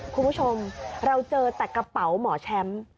คุณผู้ชมเราเจอแต่กระเป๋าหมอแชมป์